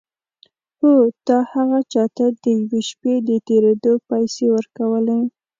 هو تا هغه چا ته د یوې شپې د تېرېدو پيسې ورکولې.